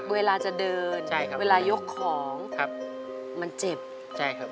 เวลาจะเดินเวลายกของมันเจ็บใช่